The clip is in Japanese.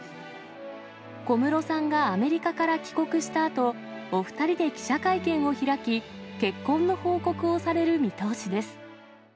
小室さんがアメリカから帰国したあと、お２人で記者会見を開き、結婚の報告をされる見通しです。